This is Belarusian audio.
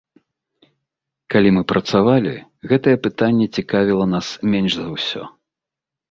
Калі мы працавалі, гэтае пытанне цікавіла нас менш за ўсё.